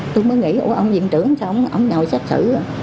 tôi mới nghĩ ông viện trưởng sao ông ngồi xét xử